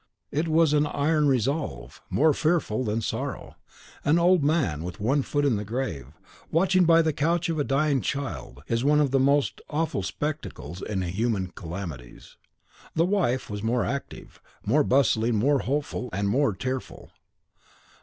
It was an iron resolve, more fearful than sorrow. An old man, with one foot in the grave, watching by the couch of a dying child, is one of the most awful spectacles in human calamities. The wife was more active, more bustling, more hopeful, and more tearful.